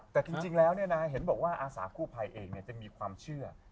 แต่จริงแล้วเห็นบอกว่าอาสากู้ภัยเองจะมีความเชื่อ